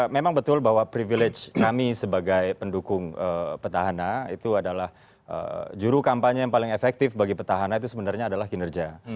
memang betul bahwa privilege kami sebagai pendukung petahana itu adalah juru kampanye yang paling efektif bagi petahana itu sebenarnya adalah kinerja